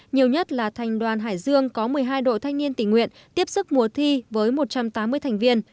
nhiều nhất là thành đoàn hải dương có một mươi hai đội thanh niên tình nguyện tiếp sức mùa thi với một trăm tám mươi thành viên